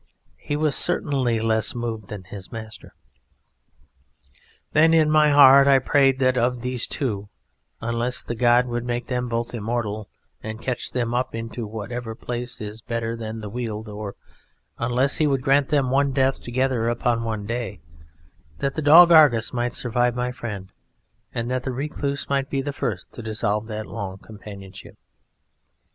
He was certainly less moved than his master. Then in my heart I prayed that of these two (unless The God would make them both immortal and catch them up into whatever place is better than the Weald, or unless he would grant them one death together upon one day) that the dog Argus might survive my friend, and that the Recluse might be the first to dissolve that long companionship.